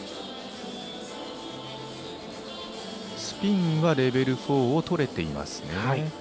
スピンはレベル４をとれていますね。